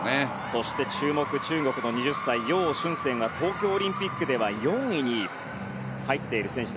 そして注目、中国の２０歳ヨウ・シュンセンが東京オリンピックでは４位に入っている選手。